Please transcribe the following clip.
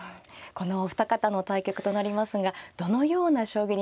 このお二方の対局となりますがどのような将棋になりそうでしょうか。